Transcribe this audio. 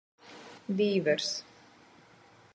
Dīvers.